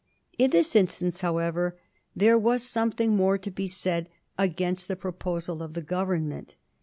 In this instance, however, there was something more to be said against the pro posal of the Government.